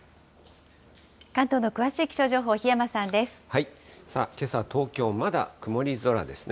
関東の詳しい気象情報、檜山さんです。